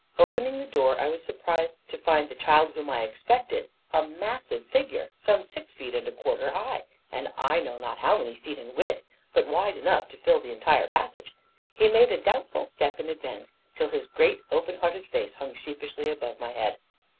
Opening the door, I was surprised to find the child whom I expected a massive figure, some six feet and a quarter high, and I know not how many feet in width, but wide enough to fill the entire passage. He made a doubtful step in advance, till his great open hearted face hung sheepishly above my head.